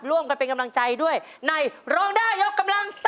ร่วมกันเป็นกำลังใจด้วยในร้องได้ยกกำลัง๓